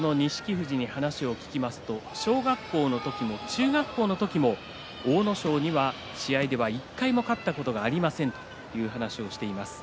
富士に話を聞きますと小学校の時も中学校の時も阿武咲には試合では１回も勝ったことがありませんという話をしています。